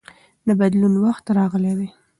د بدلون وخت راغلی دی.